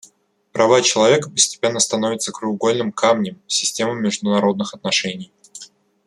Права человека постепенно становятся краеугольным камнем системы международных отношений.